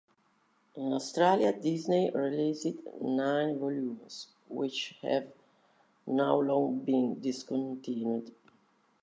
In Australia, Disney released nine volumes, which have now long been discontinued.